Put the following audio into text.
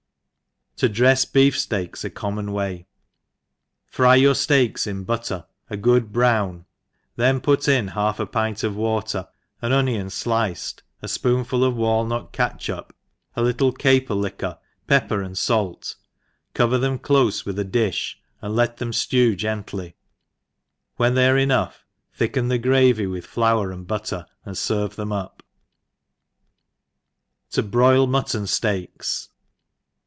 ^0 drefs Beef Steaks a common way. FRY your fleaks In butter a good brown, then put in half a pint of water, an onion fliced, a fpoonful of walnut catchtip, a little capet liv^uor, pepper and fait, cover them clofe with a difh, and kt them flew gently ; when they are enough, thicken the gravy with flour and butter and fcrve them up. 7o broil Mutton Steaks.